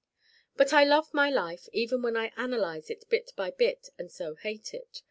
but I love my life even while I analyze it bit by bit and so hate it.